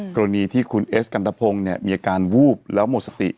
กรณีที่คุณเอสกันตะพงศ์มีอาการวูบแล้วหมดสติ